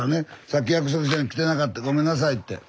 さっき約束したのに来てなかったごめんなさいって。